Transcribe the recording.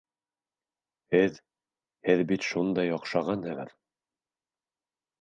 Һеҙ... һеҙ бит шундай оҡшағанһығыҙ!